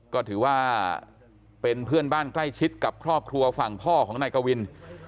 ก็ถือว่าเป็นเพื่อนบ้านใกล้ชิดกับครอบครัวฝั่งพ่อของนายกวิน